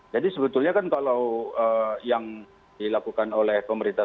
sebetulnya kan kalau yang dilakukan oleh pemerintah